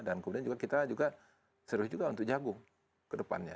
dan kemudian kita juga serius juga untuk jagung kedepannya